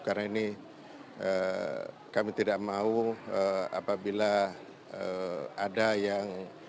karena ini kami tidak mau apabila ada yang